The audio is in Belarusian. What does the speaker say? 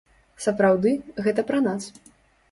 Сапраўды, гэта пра нас.